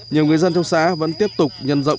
nhiều người dân trong xã vẫn tiếp tục nhân rộng